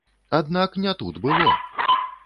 Аднак не тут было!